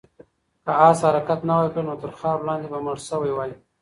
که آس حرکت نه وای کړی، نو تر خاورو لاندې به مړ شوی وای.